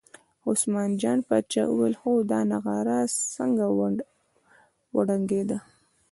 عثمان جان پاچا وویل هو دا نغاره څنګه وډنګېده.